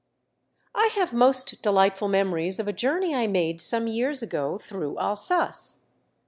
I HAVE most delightful memories of a journey I made some years ago through Alsace.